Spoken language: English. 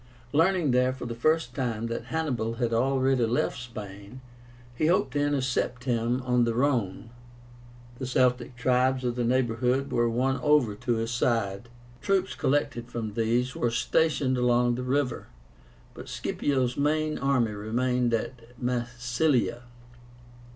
Learning there for the first time that Hannibal had already left Spain, he hoped to intercept him on the Rhone. The Celtic tribes of the neighborhood were won over to his side. Troops collected from these were stationed along the river, but Scipio's main army remained at Massilia.